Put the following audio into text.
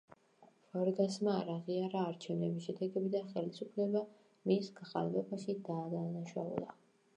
ვარგასმა არ აღიარა არჩევნების შედეგები და ხელისუფლება მის გაყალბებაში დაადანაშაულა.